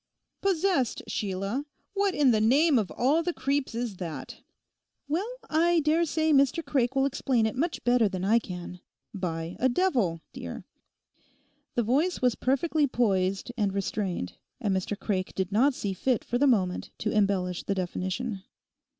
'"Possessed," Sheila! What in the name of all the creeps is that?' 'Well, I dare say Mr Craik will explain it much better than I can. By a devil, dear.' The voice was perfectly poised and restrained, and Mr Craik did not see fit for the moment to embellish the definition.